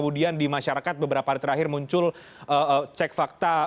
kemudian di masyarakat beberapa hari terakhir muncul cek fakta